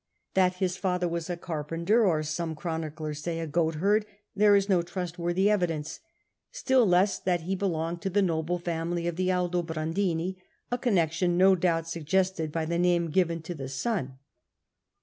That his father was a carpenter or, as some chroniclers say, a goatherd, there is no trustworthy evidence: still less that he be longed to the noble fiunily of the Aldobrandini, a con nexion no doubt suggested by the name given to the son.